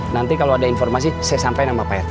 nanti kalau ada informasi saya sampein sama pak rt